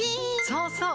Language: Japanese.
そうそう！